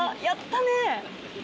やったね！